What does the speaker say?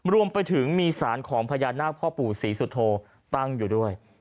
รวมไปถึงมีสารของพญานาคพ่อปู่ศรีสุโธตั้งอยู่ด้วย